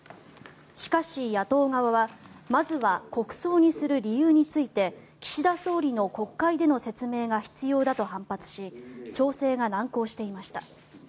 しかし、野党側はまずは国葬にする理由について岸田総理の国会での説明が必要だと反発し調整が難航していました。